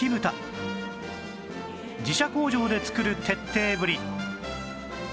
自社工場で作る徹底ぶり